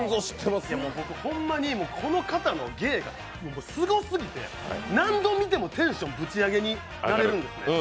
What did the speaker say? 僕ホンマにこの方の芸がすごすごて何度見てもテンションぶち上げになれるんですね。